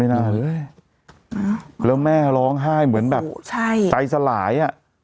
ไม่นานเลยแล้วแม่ร้องไห้เหมือนแบบใจสลาย